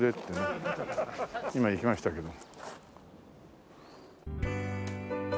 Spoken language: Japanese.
今行きましたけど。